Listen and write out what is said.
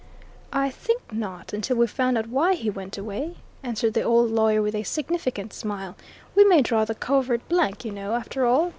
"I think not until we've found out why he went away," answered the old lawyer with a significant smile. "We may draw the covert blank, you know, after all.